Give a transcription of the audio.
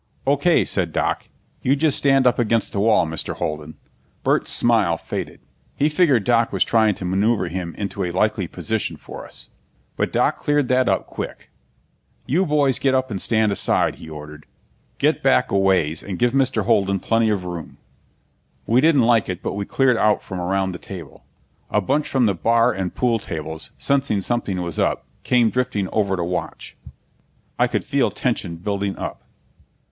"Okay," said Doc. "You just stand up against the wall, Mr. Holden." Burt's smile faded. He figured Doc was trying to maneuver him into a likely position for us. But Doc cleared that up quick. "You boys get up and stand aside," he ordered. "Get back a ways and give Mr. Holden plenty of room." We didn't like it, but we cleared out from around the table. A bunch from the bar and pool tables, sensing something was up, came drifting over to watch. I could feel tension building up.